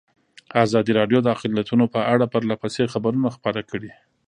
ازادي راډیو د اقلیتونه په اړه پرله پسې خبرونه خپاره کړي.